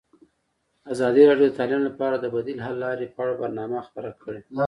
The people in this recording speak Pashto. ازادي راډیو د تعلیم لپاره د بدیل حل لارې په اړه برنامه خپاره کړې.